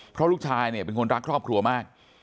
เพราะลูกชายเนี่ยเป็นคนรักครอบครัวมาก